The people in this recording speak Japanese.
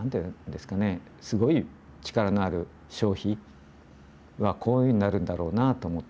すごい力のある消費はこういうふうになるんだろうなと思って。